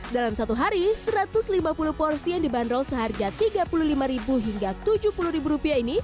dalam satu hari satu ratus lima puluh porsi yang dibanderol seharga rp tiga puluh lima hingga rp tujuh puluh ini